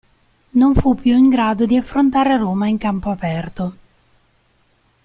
Non fu più in grado di affrontare Roma in campo aperto.